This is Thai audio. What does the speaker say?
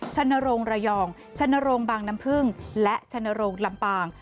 ชนโรงระยองชนโรงบางน้ำพึ่งและชนโรงลำปาง